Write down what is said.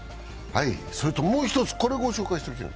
それともう一つ、これをご紹介しておきたい。